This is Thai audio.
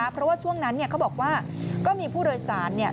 เพราะว่าช่วงนั้นเขาบอกว่าก็มีผู้โดยสาร